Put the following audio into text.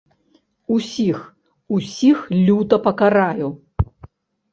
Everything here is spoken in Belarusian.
Усіх, усіх люта пакараю!